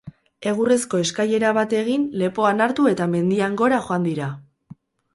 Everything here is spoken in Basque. Egurrezko eskailera bat egin, lepoan hartu eta mendian gora joan dira.